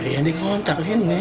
ya dikontrak di sini